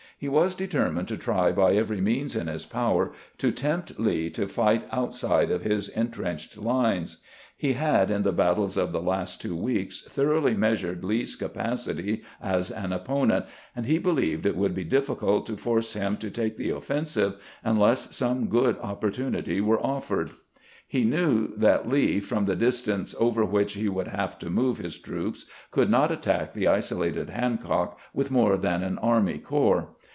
He was determined to try by every means in his power to tempt Lee to fight out side of his intrenched lines. He had in the battles of the last two weeks thoroughly measured Lee's capacity as an opponent, and he believed it would be difl&cult to force him to take the offensive unless some good oppor tunity were offered. He knew that Lee, from the dis tance over which he would have to move his troops, could not attack the isolated Hancock with more than an army corps.